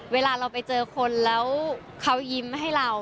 เวลาเราไปเจอคนแล้วเขายิ้มให้เรา